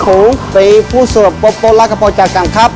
ผมในภูถีสวบโประกปันและกระโปรใจกรรมครับ